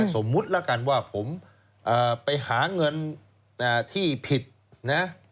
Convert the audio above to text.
สมมุติแล้วกันว่าผมไปหาเงินที่ผิดนะ